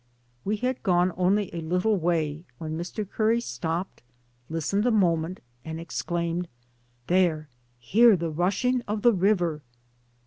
We had gone only a little way when Mr. Curry stopped, listened a moment, and exclaimed: 'There, hear the rushing of the river?'